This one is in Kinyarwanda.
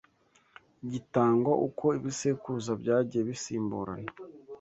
gitangwa uko ibisekuruza byagiye bisimburana